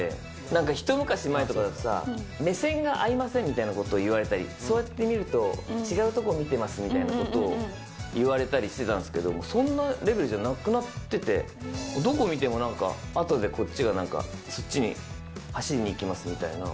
なんか一昔前とかだとさ、目線が合いませんみたいなことを言われたり、そうやって見ると、違う所見てますみたいなことを言われたりしてたんですけど、そんなレベルじゃなくなってて、どこ見てもあとでこっちがなんか、そっちに走りにいきますみたいな。